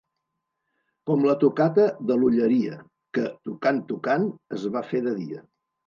Com la tocata de l'Olleria, que, tocant, tocant, es va fer de dia.